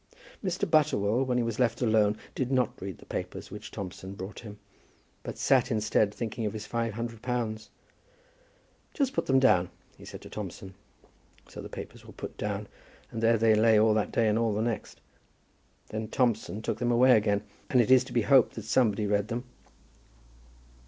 Mr. Butterwell, when he was left alone, did not read the papers which Thompson brought him; but sat, instead, thinking of his five hundred pounds. "Just put them down," he said to Thompson. So the papers were put down, and there they lay all that day and all the next. Then Thompson took them away again, and it is to be hoped that somebody read them.